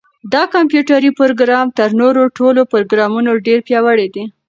دا کمپیوټري پروګرام تر نورو ټولو پروګرامونو ډېر پیاوړی دی.